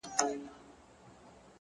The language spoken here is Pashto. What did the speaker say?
شراب نوشۍ کي مي له تا سره قرآن کړی دی”